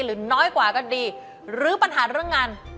หรือน้อยกว่าก็ดีหรือปัญหาที่ทำงาน